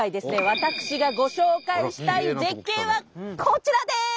私がご紹介したい絶景はこちらです！